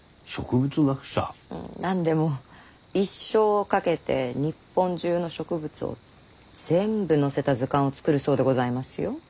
何でも一生を懸けて日本中の植物を全部載せた図鑑を作るそうでございますよ。